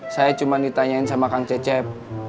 saya cuma ditanyain sama kang cecep